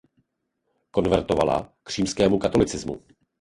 Konvertovala k římskému katolicismu.